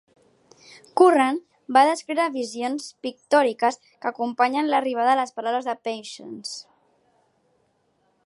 Curran va descriure visions pictòriques que acompanyen l'arribada de les paraules de Patience.